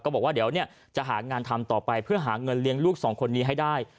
บอกว่าเดี๋ยวจะหางานทำต่อไปเพื่อหาเงินเลี้ยงลูกสองคนนี้ให้ได้